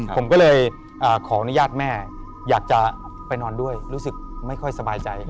ผมก็เลยขออนุญาตแม่อยากจะไปนอนด้วยรู้สึกไม่ค่อยสบายใจ